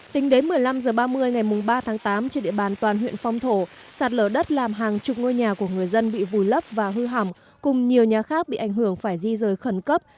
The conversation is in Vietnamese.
tính đến một mươi năm h ba mươi ngày ba tháng tám trên địa bàn toàn huyện phong thổ sạt lở đất làm hàng chục ngôi nhà của người dân bị vùi lấp và hư hỏng cùng nhiều nhà khác bị ảnh hưởng phải di rời khẩn cấp